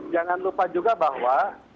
jangan lupa juga bahwa